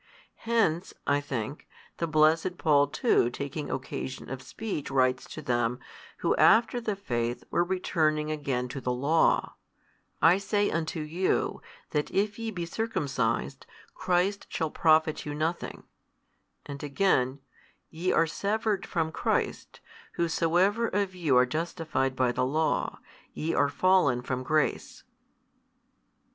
Hence (I think) the blessed Paul too taking occasion of speech writes to them who after the faith were returning again to the Law, I say unto you, that if ye be circumcised, Christ shall profit you nothing; and again, Ye are severed from Christ, whosoever of you are justified by the law, ye are fallen from grace.